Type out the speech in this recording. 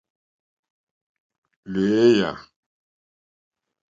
Lééyà.